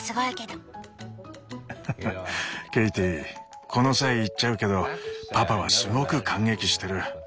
ハハハッケイティこの際言っちゃうけどパパはすごく感激してる。